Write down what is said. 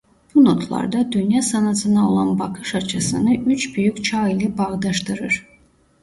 Bu notlarda dünya sanatına olan bakış açısını üç büyük çağ ile bağdaştırır.